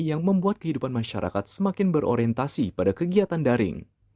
yang membuat kehidupan masyarakat semakin berorientasi pada kegiatan daring